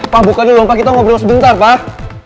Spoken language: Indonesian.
pah buka dulu kita ngobrol sebentar pah